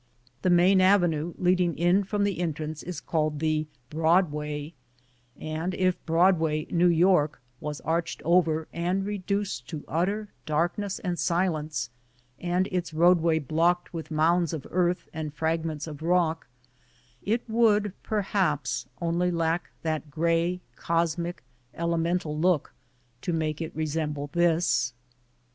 The main avenue leading in from the entrance is called the Broadway, and if Broadway, jSTew York, was arched over and reduced to utter darkness and silence, and its roadway blocked with mounds of earth and fragments of rock, it would perhaps, only lack that gray, cosmic, elemental look, to make it resemble this.